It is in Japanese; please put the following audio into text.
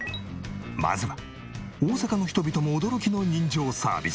まずは大阪の人々も驚きの人情サービス。